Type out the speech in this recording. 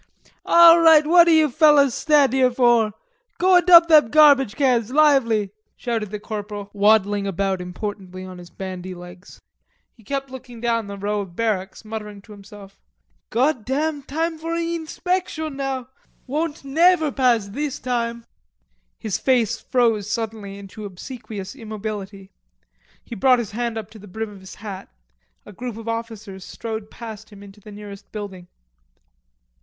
"All right, what you fellers stand here for? Go and dump them garbage cans. Lively!" shouted the corporal waddling about importantly on his bandy legs. He kept looking down the row of barracks, muttering to himself, "Goddam.... Time fur inspectin' now, goddam. Won't never pass this time." His face froze suddenly into obsequious immobility. He brought his hand up to the brim of his hat. A group of officers strode past him into the nearest building.